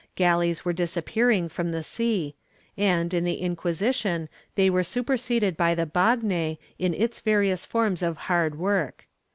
Galleys were disappearing from the sea and, in the Inquisition, they were superseded by the hagne, in its various forms of hard work.